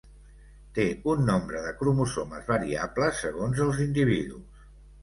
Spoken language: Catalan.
Té un nombre de cromosomes variable segons els individus.